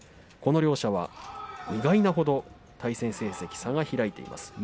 この両者は意外なほど対戦成績が開いています。